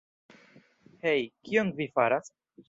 Hej, kion vi faras?